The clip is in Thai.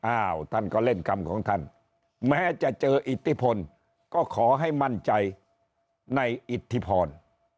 อ้าวท่านก็เล่นกรรมของท่านแม้จะเจออิทธิพลก็ขอให้มั่นใจในอิทธิพร